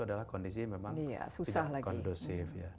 adalah kondisi memang tidak kondusif